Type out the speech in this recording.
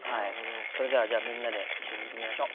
それではじゃあみんなで一緒に見てみましょう。